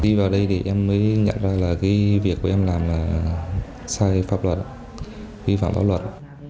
đi vào đây thì em mới nhận ra là cái việc của em làm là sai pháp luật vi phạm pháp luật